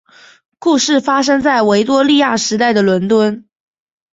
故事发生在维多利亚时代的伦敦。